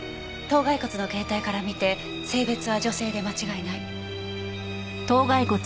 頭蓋骨の形態からみて性別は女性で間違いない。